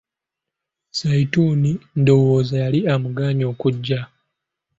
Zaituni ndowooza yali amugaanye okugya.